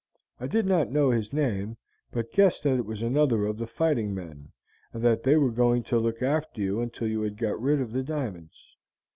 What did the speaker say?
I did not know his name, but guessed that it was another of the fighting men, and that they were going to look after you until you had got rid of the diamonds.